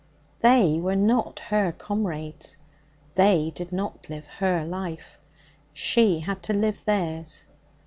They were not her comrades. They did not live her life. She had to live theirs.